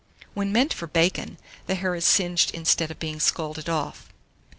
When meant for bacon, the hair is singed instead of being scalded off.